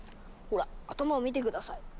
ほら頭を見て下さい。